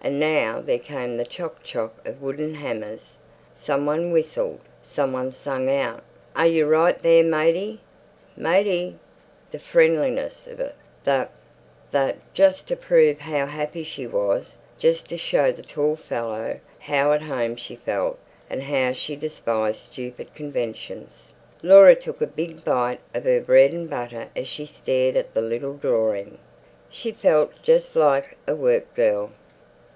And now there came the chock chock of wooden hammers. Some one whistled, some one sang out, "Are you right there, matey?" "Matey!" The friendliness of it, the—the—Just to prove how happy she was, just to show the tall fellow how at home she felt, and how she despised stupid conventions, Laura took a big bite of her bread and butter as she stared at the little drawing. She felt just like a work girl.